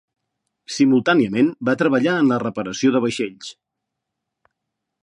Simultàniament va treballar en la reparació de vaixells.